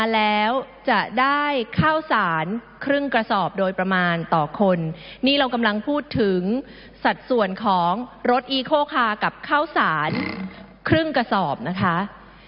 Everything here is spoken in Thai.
แล้วจะได้ข้าวสารครึ่งกระสอบโดยประมาณต่อคนนี่เรากำลังพูดถึงสัดส่วนของรถอีโคคากับข้าวสารครึ่งกระสอบนะคะ